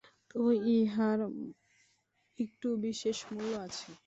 তবু ইহার একটু বিশেষ মূল্য আছে।